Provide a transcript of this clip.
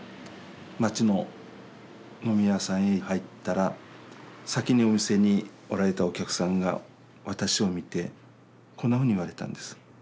町の飲み屋さんへ入ったら先にお店におられたお客さんが私を見てこんなふうに言われたんです。